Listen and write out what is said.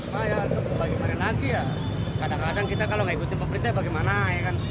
bagaimana lagi ya kadang kadang kita kalau gak ikutin pemerintah bagaimana ya kan